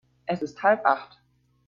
Es ist halb Acht.